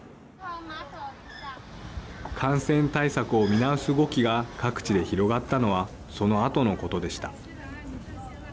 感染対策を見直す動きが各地で広がったのはそのあとのことでした。